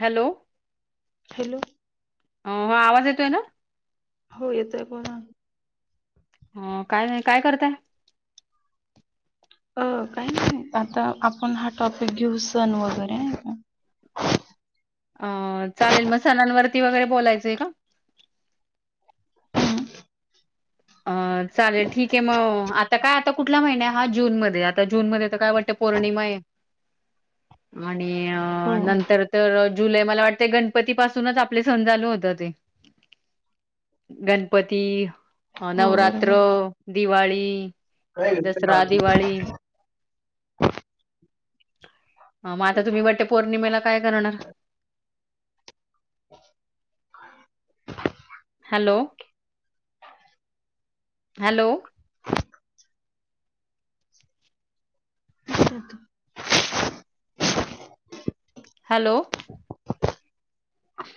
Hello hello हो ह आवाज येतोय ना? हो येतोय बोला ना. ह काय नाही काय करताय. अ काही नाही आता आपण हा टॉपिक घेऊ सण वगैरे आहे का [inaudible] अ चालेल मग सणांणवरती वगैरे बोलायचंय का? हम अ, चालेल ठीक आहे. मग आता काय आता कुठला महिना हा जून मध्ये आता जून मध्ये तर काय वटपौर्णिमा आहे. [unintelligible] आणि अ हो नंतर तर जुलै मला वाटते. गणपती पासूनच आपले सण चालू होत ते गणपती, हो नवरात्र, बरोबर दिवाळी, दसरा, दिवाळी ह मग आता तुम्ही वटपौर्णिमेला काय करणार? [inaudible] हॅलो हॅलो [inaudible] हॅलो ह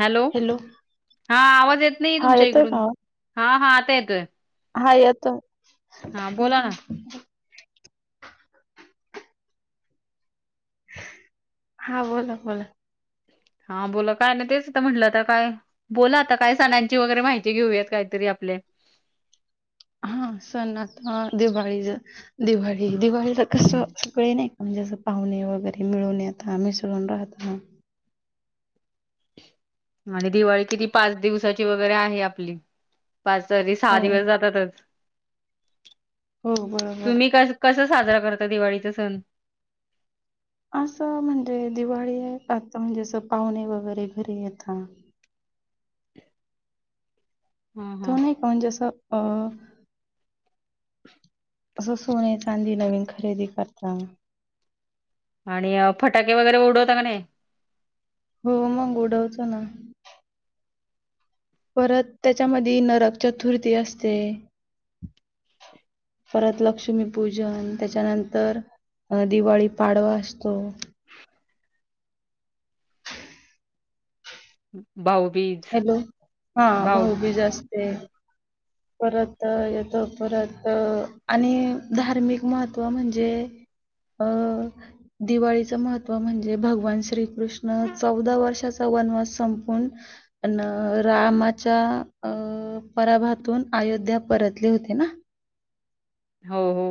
हॅलो हा आवाज येत नाही. हा तुमच्या येतोय का इकडून आवाज? हा हा येतोय हा येतो हा बोला ना हा बोला, बोला हा बोला काय ना तेच म्हटलं, आता काय बोला आता काय सणांची वगैरे माहिती घेऊयात काहीतरी आप आपले [unintelligible] हा सण आता दिवाळी दिवाळी दिवाळीच कस सगळे नाही का म्हणजे पाहुणे वगैरे मिळून येता मिसळून राहता. आणि दिवाळी किती पाच दिवसाची वगैरे आहे आपली. पाच तरी सहा हो दिवस जातातच, हो बरोबर तुम्ही क कस साजरा करता दिवाळीचा सण? असं म्हणजे दिवाळी आहे आता म्हणजे असं पाहुणे वगैरे घरी येता ह ह तो नाही का म्हणजे असं अ असं सोने चांदी नवीन खरेदी करता. आणि फटाके वगैरे उडवत का नाही? हो मग उडवतो ना, परत त्याच्यामध्ये नरक चतुर्थी असते. परत लक्ष्मीपूजन त्याच्यानंतर अ दिवाळी पाडवा असतो. भाऊ भाऊबीज हॅलो हा भाऊबीज असते. परत येतो परत आणि धार्मिक महत्त्व म्हणजे, अ दिवाळीचं महत्व म्हणजे भगवान श्रीकृष्ण चौदा वर्षाचा वनवास संपवून रामाच्या अ पराभात तुन अयोध्या परतले होते ना, हो हो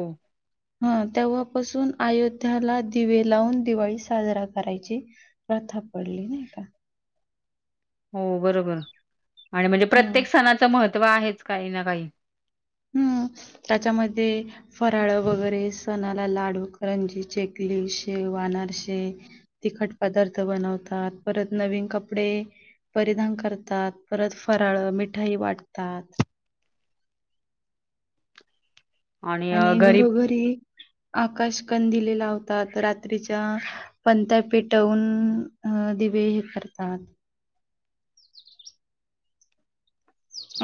हा तेव्हापासून अयोध्याला दिवे लावून दिवाळी साजरा करायची प्र था पडली नाही का. हो, बरोबर आणि म्हणजे हां. प्रत्येक सणाचं महत्व आहेच, काही ना काही. हम्म. त्याच्यामध्ये फराळ वगैरे सणाला लाडू, करंजी, चेकली- शेव, अनारसे, तिखट पदार्थ बनवतात, परत नवीन कपडे परिधान करतात, परत फराळ मिठाई वाटतात. अ, आणि घरी घरोघरी आकाश कंदीले लावतात, रात्रीच्या पणत्या पेटवून अं दिवे हे कर तात.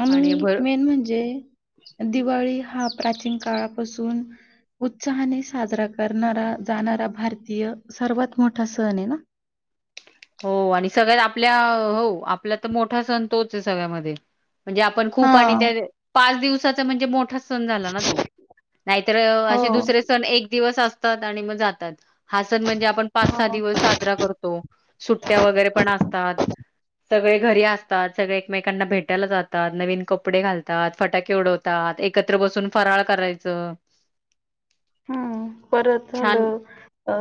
आणि मेन म्हणजे, दिवाळी हा प्राचीन काळापासून उत्साहाने साजरा करणारा जाणारा, भारतीय सर्वात मोठा सण आहे ना? [inaudible] हो आणि सगळ्यात आपल्या हो आपला तर मोठा सण तोच आहे सगळ्यामध्ये. म्हणजे आपण खूप आणि हां. त्या पाच दिवसाचा म्हणजे मोठा सण झाला ना तो, नाहीतर हो, असे दुसरे सण एक दिवस असतात आणि मग जातात. हा सण म्हणजे, आपण पाच सहा हो. दिवस साजरा करतो, सुट्ट्या वगैरे पण असतात. सगळे घरी असतात, सगळे एकमेकांना भेटायला जातात, नवीन कपडे घालतात, फटाके उडवतात. एकत्र बसून फराळ करायचं हम्म परत छान झालं अ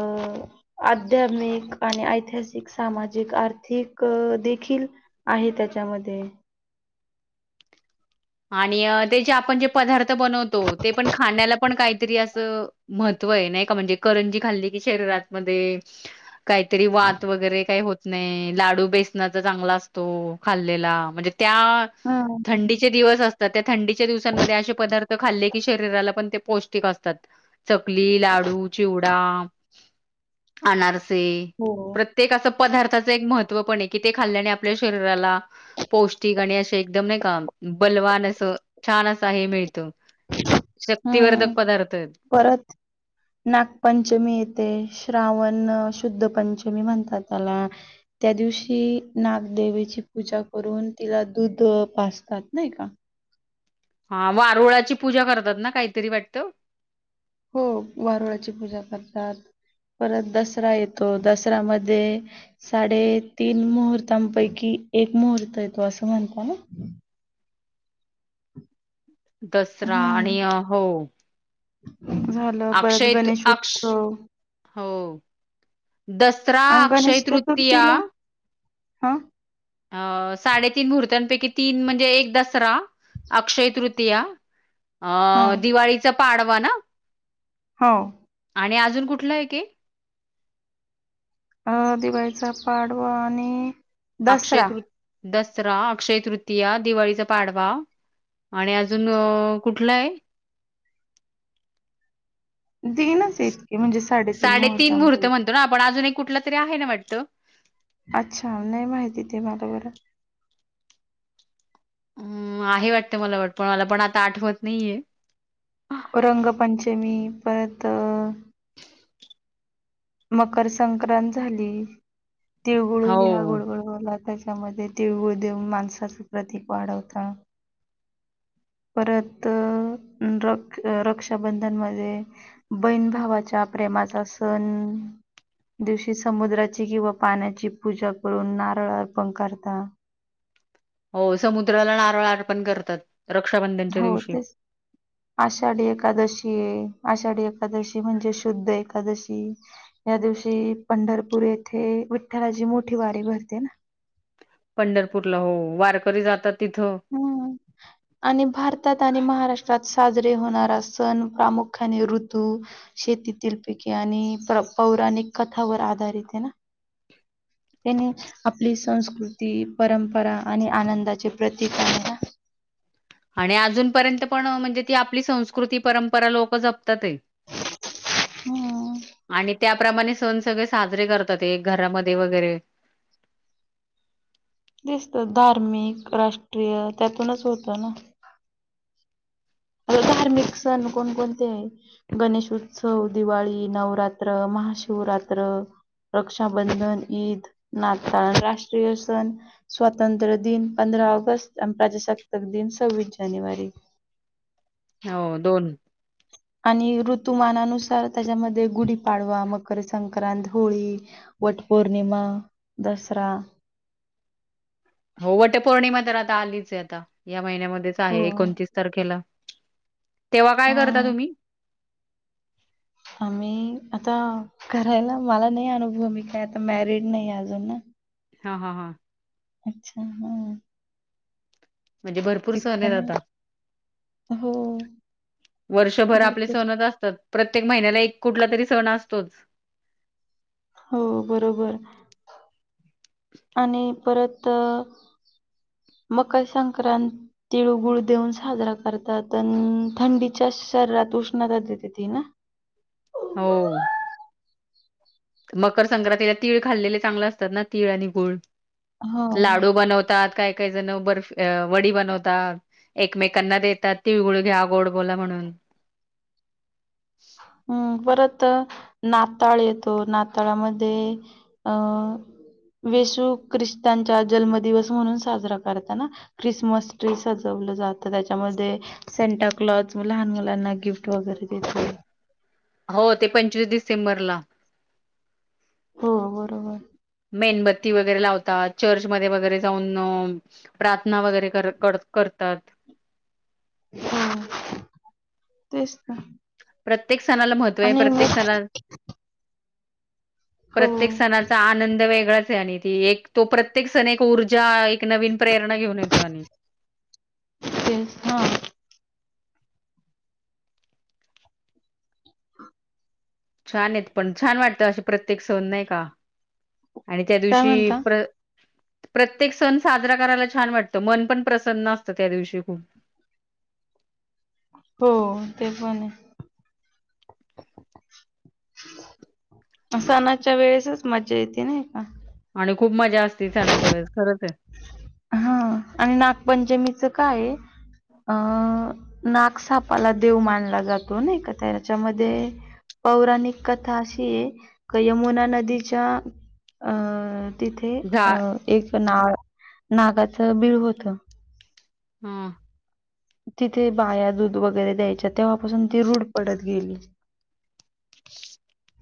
आध्यात्मिक आणि ऐतिहासिक, सामाजिक, आर्थिक देखील आहे त्याच्यामध्ये. आणि त्याचे आपण जे पदार्थ बनवतो, ते पण खाण्याला पण काहीतरी असं मह त्व आहे नाही का म्हणजे करंजी खाल्ली की शरीरामधे काहीतरी वात वगैरे काही होत नाही. लाडू बेसनाच चांगला असतो खाल्लेला म्हणजे त्या हं. थंडीचे दिवस असतात, त्या थंडीच्या दिवसांमध्ये असे पदार्थ खाल्ले की शरीरात ला पण ते पौष्टिक असतात. चकली, लाडू, चिवडा अनारसे हो. प्रत्येक असं पदार्थाचं एक महत्त्व पण आहे की, ते खाल्ल्याने आपल्या शरीराला पौष्टिक आणि असे एकदम नाही का बलवान अस छान असं हे मिळत, शक्तिवर्धक हं. पदार्थ आहेत परत नागपंचमी येते, श्रावण शुद्ध पंचमी म्हणतात त्याला, त्यादिवशी नागदेवीची पूजा करून तिला दूध पाजतात नाही का? हा वारुळाची पूजा करतात ना, काहीतरी वाटत? हो वारुळाची पूजा करतात. परत दसरा येतो, दसर्यामधे साडेतीन मुहूर्तांपैकी एक मुहूर्त येतो, असं म्हणता ना? दसरा हम्म आणि अ हो. झालं परत अक्षय- गणेश अक्ष- उत्सव हो दसरा अक्षय तृतीया हा? अ साडेतीन मुहर्तापैकी तीन म्हणजे, एक दसरा अक्षय तृतीया, अं.. हां दिवाळीचा पाडवा ना, हो. आणि अजून कुठलं आहे की? अ दिवाळीचा पाडवा आणि अक्षय दसरा तृती- दसरा, अक्षयतृतीया, दिवाळीचा पाडवा, आणि अजून कुठलं आहे? तीनच इतके म्हणजे साडेतीन मुहूर्त मुहूर्तांपैकी म्हणतो ना आपण, अजून एक कुठला तरी आहे ना वाटत? अच्छा नाही माहिती, ते मला बरं. हम् आहे वाटत, मला वाट मला पण आता आठवत नाहीये. तर मकर संक्रांत झाली तिळगुळ हो घ्या गोड गोड बोला मध्ये तिळगुळ देऊन माणसाचं प्रतीक वाढवत परत र रक्षाबंधन मध्ये बहीण भावाच्या प्रेमाचा सण दिवशी समुद्राची किंवा पाण्याची पूजा करून नारळ अर्पण करतात हो समुद्राला नारळा अर्पण करतात रक्षाबंधनच्या हो दिवशी तेच आषाढी एकादशी आहे आषाढी एकादशी म्हणजे शुद्ध एकादशी या दिवशी पंढरपूर येथे विठ्ठलाची मोठी वारी भरते ना पंढरपूरला हो वारकरी जातात. तिथं. हम्म आणि भारतात आणि महाराष्ट्रात साजरे होणारा सण प्रामुख्याने ऋतू शेतीतील पिके आणि अनेक कथावर आधारित आहे ना त्यांनी आपली संस्कृती परंपरा आणि आनंदाचे प्रतीक आहे आणि अजूनपर्यंत पण म्हणजे ती आपली संस्कृती परंपरा लोक जपतातच हम् आणि त्याप्रमाणे सण सगळे साजरे करतात एक घरामध्ये वगैरे दिसत धार्मिक राष्ट्रीय त्यातूनच होतं ना [inaudible] धार्मिक सण कोणकोणते आहे? गणेशोत्सव दिवाळी नवरात्र महाशिवरात शिवरात्र रक्षाबंधन ईद नाताळ राष्ट्रीय सण स्वातंत्र्य दिन पंधरा पंधरा ऑगस्ट प्रजासत्ताक दिन आणि सव्वीस जानेवारी हो दोन आणि ऋतुमानानुसार त्याच्यामध्ये, गुढीपाडवा मग मकरसंक्रांत, होळी, वट पौर्णिमा, दसरा, [inaudible] हो वट पौर्णिमा तर आता आलीच हे आता या महिन्यामध्येच, हो आहे एकोणतीस तारखेला. तेव्हा काय करता हा तुम्ही? आम्ही आता करायला मला नाही अनुभूव मी काय आता मॅरिड नाही अजून ना, हा हा हा. अच्छा हम्म. म्हणजे भरपूर सण हेत आता. हो वर्षभर आपले भरपूर सणज असतात. प्रत्येक महिन्याला, एक कुठला तरी सण असतोच. हो बरोबर. आणि परत अ मकर संक्रांत तिळगुळ देऊन साजरा करतात थंडीच्या [inaudible] शरीरात उष्णता देती ती ना. हो. मकर संक्रांतीला तीळ खाल्लेले चांगले असतात ना तीळ आणि गुळ. हो लाडू बनवतात काय. काही जण बर्फ वडी बनवतात एकमेकांना देतात तिळगुळ घ्या गोड बोला म्हणून. ह. परत नाताळ येतो नाताळामध्ये अ. येशू ख्रिस्तचा जन्मदिवस म्हणून साजरा करतना ख्रिसमस ट्री सजव जात त्याच्यामध्ये सेटा कलॉथ लहान मुलांना गिफ्ट वगैरे देते. हो ते पंचवीस डिसेंबरला. हो बरोबर. मेणबत्ती वगैरे लावतात. चर्चमध्ये वगैरे जाऊन प्रार्थना वगैरे कर करतात. हम तेच तं. प्रत्येक सणाला महत्त्व आहे. प्रत्येक सणा हो प्रत्येक सणाचा आनंद वेगळाच आहे. आणि ती एक तो प्रत्येक सण एक ऊर्जा एक नवीन प्रेरणा घेऊन येतो. आणि तेच हा छान आहेत पण. छान वाटतं असे प्रत्येक सन नाही का? आणि त्या काय दिवशी म्हणता प्र प्रत्येक सण साजरा करायला छान वाटतं. मन पण प्रसन्न असतं त्या दिवशी खूप. हो ते पण आहे. सणाच्या वेळेसच मज्जा येते नाही का? आणि खूप मजा असते. सणाच्या वेळेस खरच. हा आणि नागपंचमीच काय अ नागसापाला देव मानला जातो नाही का त्याच्यामध्ये पौराणिक कथा अशी आहे यमुना नदीच्या अं तिथे झा अ एक ना नागाच बीळ होत. हम. तिथे बाया दूध वगैरे द्यायच्या तेव्हापासून ती रूढ पडत गेली. [inaudible]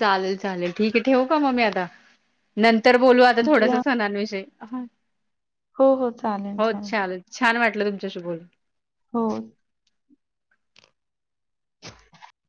चालेल चालेल ठीक आहे ठेवू का मग मी आता? नंतर बोलू आता थोडसा म्हटलं सणांविषयी. हो ल छान वाटलं तुमच्याशी बोल हो.